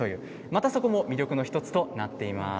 またそこも魅力の１つとなっています。